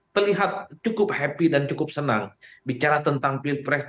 terlihat cukup happy dan cukup senang bicara tentang pilpres